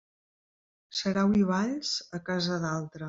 Sarau i balls, a casa d'altre.